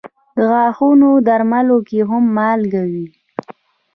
د غاښونو درملو کې هم مالګه وي.